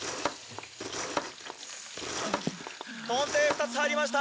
とん定２つ入りました。